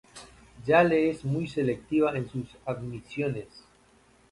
Yale es muy selectiva en sus admisiones.